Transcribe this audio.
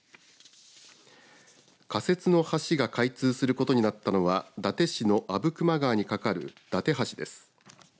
仮設の橋が開通することになったのは伊達市の阿武隈川に架かる伊達橋です。